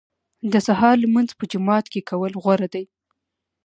د سهار لمونځ په جومات کې کول غوره دي.